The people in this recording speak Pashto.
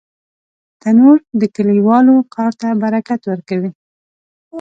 تنور د کلیوالو کار ته برکت ورکوي